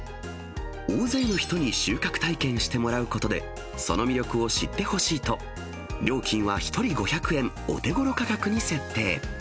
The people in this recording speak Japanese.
大勢の人に収穫体験してもらうことで、その魅力を知ってほしいと、料金は１人５００円、お手ごろ価格に設定。